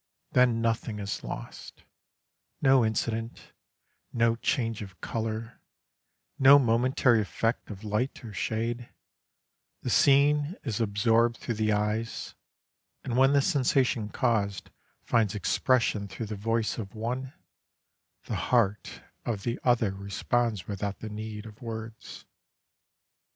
Then nothing is lost no incident, no change of colour, no momentary effect of light or shade; the scene is absorbed through the eyes, and when the sensation caused finds expression through the voice of one, the heart of the other responds without the need of words.